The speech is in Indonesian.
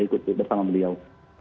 ikuti bersama beliau